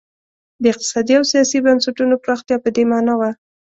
د اقتصادي او سیاسي بنسټونو پراختیا په دې معنا وه.